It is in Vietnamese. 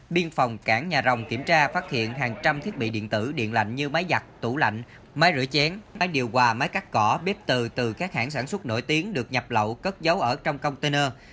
biên phòng cảng nhà rồng kiểm tra phát hiện hàng trăm thiết bị điện tử điện lạnh như máy giặt tủ lạnh máy rửa chén máy điều hòa máy cắt cỏ bếp từ từ các hãng sản xuất nổi tiếng được nhập lậu cất dấu ở trong container